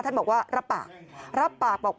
ท่านบอกว่ารับปาก